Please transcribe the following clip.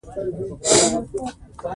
خاوره د افغانستان د شنو سیمو ښکلا ده.